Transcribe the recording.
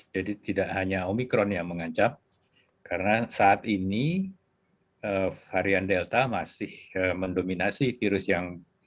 jadi tidak hanya omikron yang mengancam karena saat ini varian delta masih mendominasi virus yang